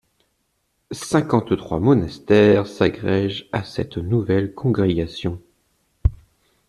Cinquante-trois monastères s’agrégèrent à cette nouvelle congrégation.